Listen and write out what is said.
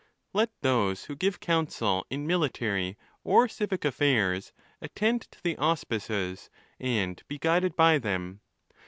Let those who give counsel in military or civic affairs attend to the auspices, and be guided by them.